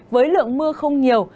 với lượng mưa không nhiều